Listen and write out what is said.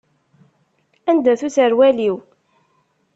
Anda-t userwal-iw?